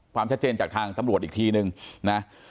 ความชัดเจนจากทางตำรวจอีกทีนึงนะ